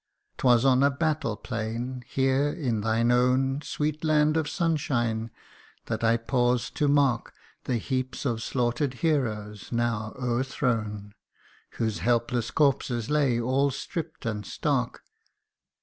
" 'Twas on a battle plain, here in thine own Sweet land of sunshine, that I paused to mark The heaps of slaughter'd heroes now o'erthrown, Whose helpless corpses lay all stripp'd and stark.